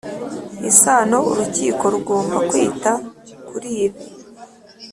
Isano urukiko rugomba kwita kuri ibi